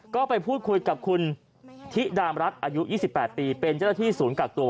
ก็ไปพูดคุยกับคุณธิดามรัฐอายุ๒๘ปีเป็นเจ้าหน้าที่ศูนย์กักตัว